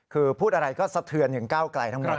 คือพูดอะไรก็สะเทือนถึงก้าวไกลทั้งหมด